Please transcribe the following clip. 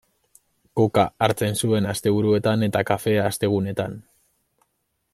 Koka hartzen zuen asteburuetan eta kafea astegunetan.